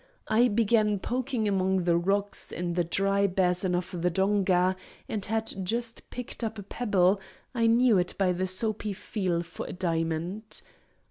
I began poking among the rocks in the dry basin of the donga, and had just picked up a pebble—I knew it by the soapy feel for a diamond.